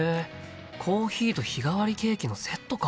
コーヒーと日替わりケーキのセットか。